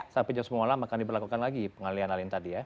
sampai jam sepuluh malam akan diberlakukan lagi pengalian alin tadi ya